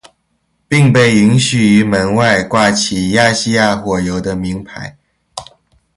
并被允许于门外挂起亚细亚火油的铭牌。